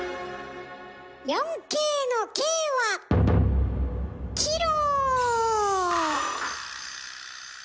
４Ｋの「Ｋ」はキロ！